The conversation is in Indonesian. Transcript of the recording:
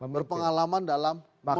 berpengalaman dalam memimpin